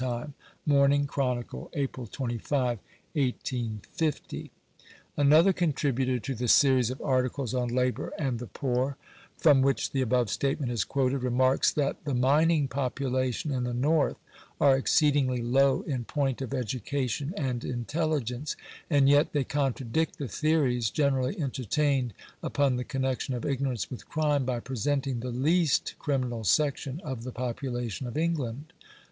— Morning Chronicle, April 25, 1850. Another contributor to the series of articles on "Labour and the Poor," from which the above statement is quoted, remarks that " the mining population (in the north) are exceedingly low in point of education and intelligence ; and yet they contradict the theories generally entertained upon the connection of igno rance with crime, by presenting the least criminal section of the population of England."